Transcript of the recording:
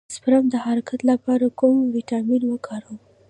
د سپرم د حرکت لپاره کوم ویټامین وکاروم؟